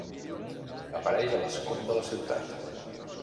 Apareix a l'escut de la ciutat.